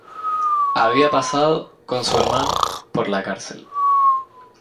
Había pasado, con su hermano, por la cárcel.